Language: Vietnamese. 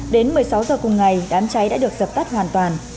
đến một mươi sáu giờ cùng ngày đám cháy đã được dập tắt hoàn toàn